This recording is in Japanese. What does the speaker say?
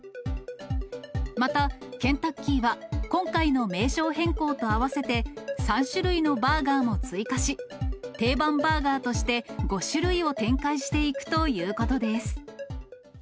また、ケンタッキーは、今回の名称変更とあわせて、３種類のバーガーも追加し、定番バーガーとして５種類を展開していくということです。